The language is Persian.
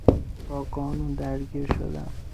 با قانون درگیر شدن